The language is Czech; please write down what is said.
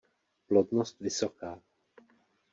Plodnost vysoká.